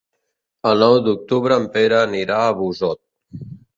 El nou d'octubre en Pere anirà a Busot.